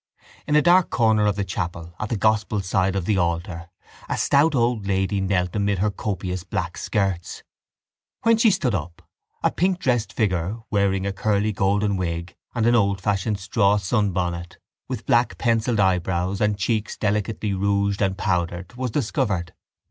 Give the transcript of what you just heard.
In a dark corner of the chapel at the gospel side of the altar a stout old lady knelt amid her copious black skirts. When she stood up a pinkdressed figure, wearing a curly golden wig and an oldfashioned straw sunbonnet, with black pencilled eyebrows and cheeks delicately rouged and powdered, was discovered.